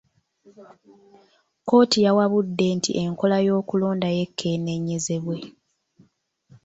Kkooti yawabudde nti enkola y'okulonda yekenneenyezebwe.